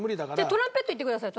トランペットいってくださいよ